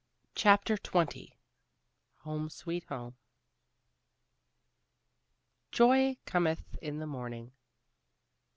CHAPTER XX HOME SWEET HOME "Joy cometh in the morning."